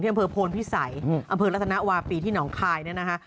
อำเภอโพนพิสัยอำเภอรัตนวาปีที่หนองคายเนี่ยนะคะ